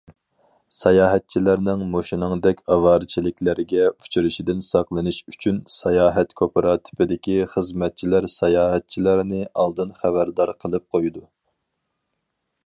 ساياھەتچىلەرنىڭ مۇشۇنىڭدەك ئاۋارىچىلىكلەرگە ئۇچرىشىدىن ساقلىنىش ئۈچۈن، ساياھەت كوپىراتىپىدىكى خىزمەتچىلەر ساياھەتچىلەرنى ئالدىن خەۋەردار قىلىپ قويىدۇ.